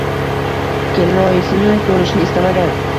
Kelinoyisini ko`rishni istamagan